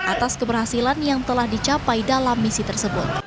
atas keberhasilan yang telah dicapai dalam misi tersebut